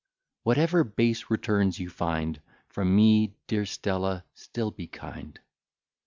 Whatever base returns you find From me, dear Stella, still be kind.